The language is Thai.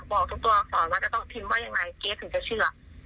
บอกทุกตัวอักษรว่าจะต้องพิมพ์ว่ายังไงเก๊ถึงจะเชื่อ